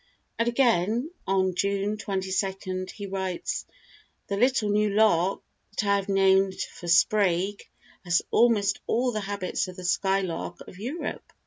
And again, on June 22, he writes: "The little new lark, that I have named for Sprague, has almost all the habits of the skylark of Europe.